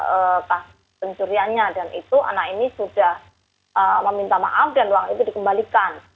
untuk kasus pencuriannya dan itu anak ini sudah meminta maaf dan uang itu dikembalikan